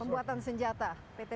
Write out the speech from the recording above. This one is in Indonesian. pembuatan senjata pt pindad